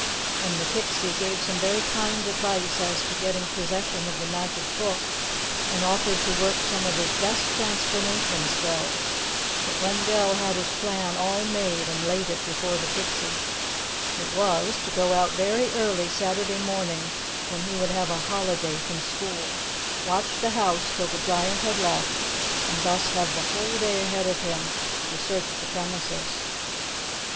And the Pixie gave some very kind advice as to getting possession of the magic book, and offered to work some of his best transformation spells; but Wendell had his plan all made and laid it before the Pixie. It was, to go out very early Saturday morning, when he would have a holiday from school, watch the house till the Giant had left, and thus have the whole day ahead of him, to search the premises.